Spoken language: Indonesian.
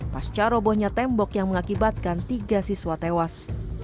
pasca robohnya tembok yang mengakibatkan tiga siswa tewas